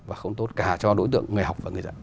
và không tốt cả cho đối tượng người học và người dạy